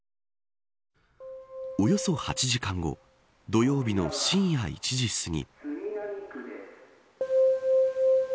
およそ８時間後土曜日の深夜１時すぎ。